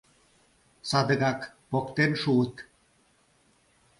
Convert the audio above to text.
Садыгак поктен шуыт.